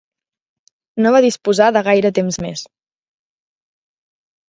No va disposar de gaire temps més.